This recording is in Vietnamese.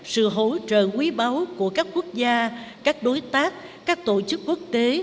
sự hỗ trợ quý báu của các quốc gia các đối tác các tổ chức quốc tế